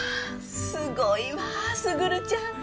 すごいわ卓ちゃん。